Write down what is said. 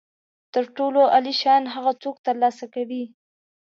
تر ټولو عالي شیان هغه څوک ترلاسه کوي.